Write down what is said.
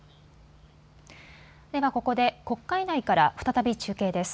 ではここで国会内から再び中継です。